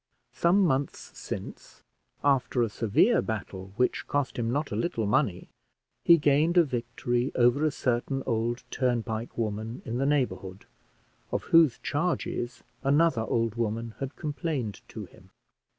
Some months since, after a severe battle, which cost him not a little money, he gained a victory over a certain old turnpike woman in the neighbourhood, of whose charges another old woman had complained to him.